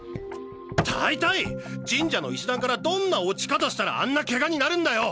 だいたい神社の石段からどんな落ち方したらあんなケガになるんだよ？